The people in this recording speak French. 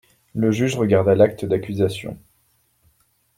Le juge regarda l’acte d’accusation.